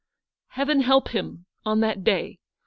Heaven help him on that day